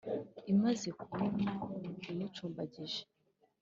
imaze kubona imucumbagije,